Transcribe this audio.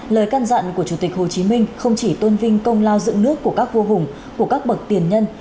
lời can dặn của chủ tịch hồ chí minh không chỉ tôn vinh công lao dựng nước của các vua hùng của các bậc tiền nhân